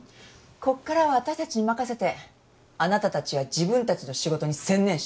ここからは私たちに任せてあなたたちは自分たちの仕事に専念して。